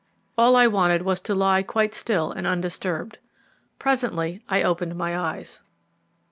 All I wanted was to lie quite still and undisturbed. Presently I opened my eyes.